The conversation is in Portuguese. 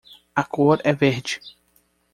A cor é verde!